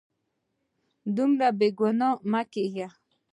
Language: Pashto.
دومره بې ګناه مه کیږه